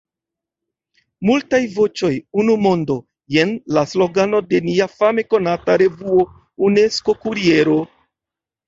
“Multaj voĉoj, unu mondo” – jen la slogano de nia fame konata revuo Unesko-kuriero.